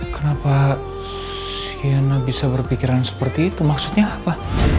kenapa kiana bisa berpikiran seperti itu maksudnya apa